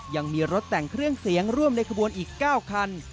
ยังมีรถแต่งเครื่องเสียงร่วมในขบวนอีก๙คัน